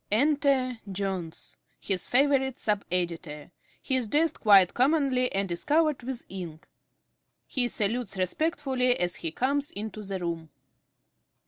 _) Enter Jones, _his favourite sub editor. He is dressed quite commonly, and is covered with ink. He salutes respectfully as he comes into the room.